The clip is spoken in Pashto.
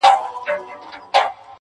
پر اوږو د وارثانو جنازه به دي زنګېږي.!